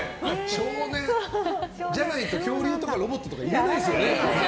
少年！じゃないと恐竜とかロボットとかやれないですよね。